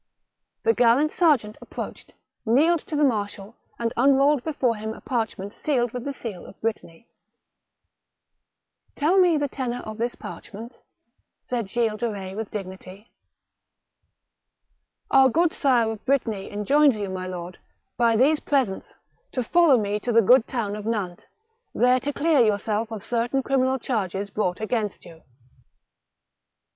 The gallant serjeant approached, knelt to the marshal, and unrolled before him a parchment sealed with the seal of Brittany. " Tell me the tenor of this parchment ?" said Gilles de Retz with dignity. " Our good Sire of Brittany enjoins you, my lord, by these presents, to follow me to the good town of Nantes, there to clear yourself of certain criminal charges brought against you."